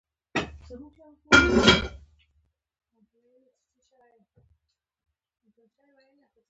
زه له ځان سره وايم دا څه کوي.